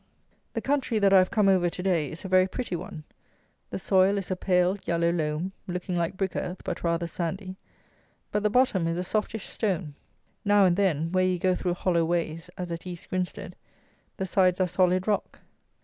The country that I have come over to day is a very pretty one. The soil is a pale yellow loam, looking like brick earth, but rather sandy; but the bottom is a softish stone. Now and then, where you go through hollow ways (as at East Grinstead) the sides are solid rock.